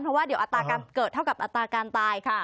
เพราะว่าเดี๋ยวอัตราเกิดเท่ากับอัตราการตายค่ะ